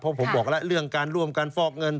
เพราะผมบอกแล้วเรื่องการร่วมกันฟอกเงิน